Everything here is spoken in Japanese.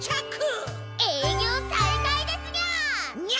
営業再開ですにゃ！